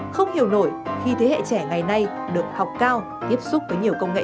không hiểu nổi khi thế hệ trẻ ngày nay được học cao tiếp xúc với nhiều công nghệ